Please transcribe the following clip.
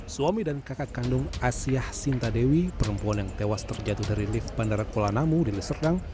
suami dan kakak kandung asia sinta dewi perempuan yang tewas terjatuh dari lift bandara kuala namu di liserdang